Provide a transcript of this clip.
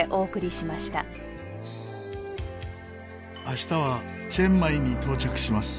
明日はチェンマイに到着します。